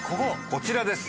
こちらです。